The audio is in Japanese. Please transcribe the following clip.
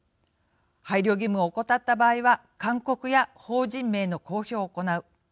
配慮義務を怠った場合は勧告や法人名の公表を行う。